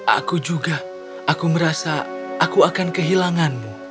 aku juga aku merasa aku akan kehilanganmu